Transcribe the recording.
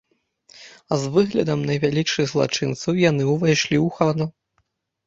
З выглядам найвялікшых злачынцаў яны ўвайшлі ў хату.